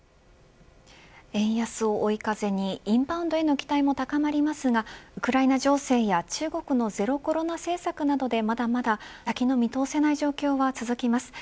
円安を追い風にインバウンドへの期待も高まりますがウクライナ情勢や中国のゼロコロナ政策などでまだまだ先の見通せない状況が続きます。